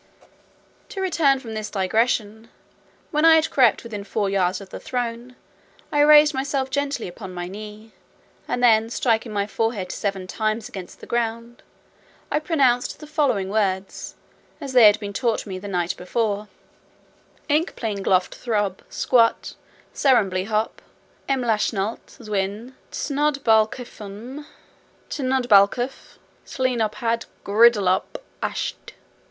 To return from this digression. When I had crept within four yards of the throne, I raised myself gently upon my knees, and then striking my forehead seven times against the ground, I pronounced the following words, as they had been taught me the night before, Ickpling gloffthrobb squutserumm blhiop mlashnalt zwin tnodbalkguffh slhiophad gurdlubh asht.